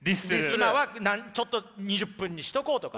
今はちょっと２０分にしとこうとか。